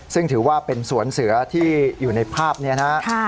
ซึ่งถือว่าเป็นสวนเสือที่อยู่ในภาพนี้นะครับ